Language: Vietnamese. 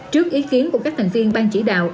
trước ý kiến của các thành viên ban chỉ đạo